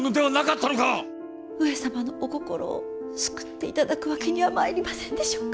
上様のお心を救って頂くわけにはまいりませんでしょうか。